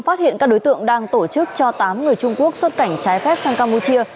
phát hiện các đối tượng đang tổ chức cho tám người trung quốc xuất cảnh trái phép sang campuchia